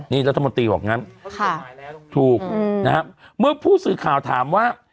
นี่รัฐมนตรีบอกงั้นถูกนะครับเมื่อผู้สื่อข่าวถามว่า